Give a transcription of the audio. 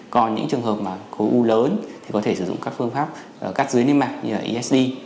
còn những trường hợp mà khối u lớn thì có thể sử dụng các phương pháp cắt dưới niêm mạc như là esd